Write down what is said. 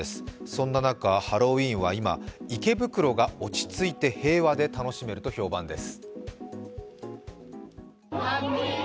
そんな中、ハロウィーンは今、池袋が落ち着いて平和で楽しめると評判です。